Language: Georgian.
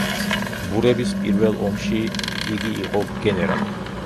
ბურების პირველ ომში იგი იყო გენერალი.